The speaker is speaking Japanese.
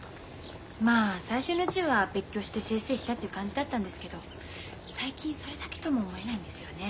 まあ最初のうちは別居して清々したっていう感じだったんですけど最近それだけとも思えないんですよね。